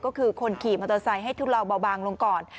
ก็คือคนขี่มอเตอร์ไซค์ให้ทุเลาเบาบางลงก่อน